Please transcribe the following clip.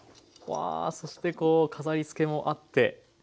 わあそしてこう飾りつけもあって。